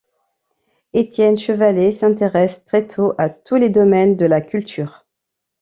Étienne Chevalley s'intéresse très tôt à tous les domaines de la culture.